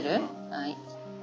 はい。